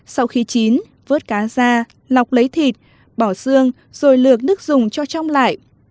sau khi chín vớt cá da lọc lấy thịt bỏ xương rồi lược nước dùng cho trong lại